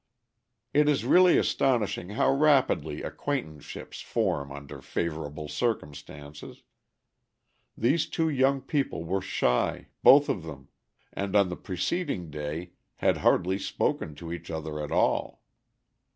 It is really astonishing how rapidly acquaintanceships form under favorable circumstances. These two young people were shy, both of them, and on the preceding day had hardly spoken to each other at all.